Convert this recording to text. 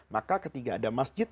maka ketika ada masjid